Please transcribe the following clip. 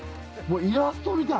イラストみたい。